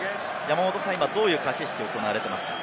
今どういう駆け引きが行われていますか？